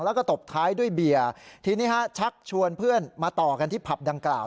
แล้วก็ตบท้ายด้วยเบียร์ทีนี้ฮะชักชวนเพื่อนมาต่อกันที่ผับดังกล่าว